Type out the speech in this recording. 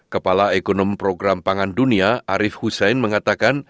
kepala ekonom program pangan dunia arief hussein mengatakan